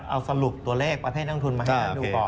เอาสรุปตัวเลขประเทศนักงานทุนมาให้อาจารย์ดูก่อนนะครับ